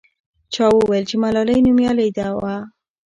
چا وویل چې ملالۍ نومیالۍ وه.